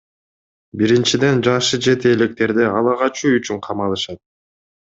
Биринчиден, жашы жете электерди ала качуу үчүн камалышат.